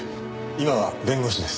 今は弁護士です。